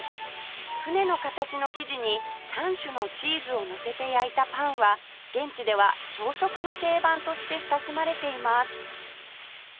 舟の形の生地に３種のチーズをのせて焼いたパンは現地では朝食の定番として親しまれています